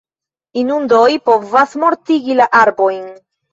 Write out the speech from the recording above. Inundoj povas mortigi la arbojn.